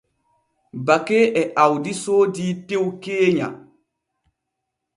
Bake e Awdi soodii tew keenya.